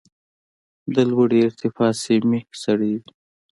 د لوړې ارتفاع سیمې سړې وي.